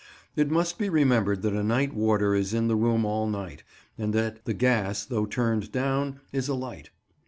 It must be remembered that a night warder is in the room all night, and that the gas, though turned down, is alight.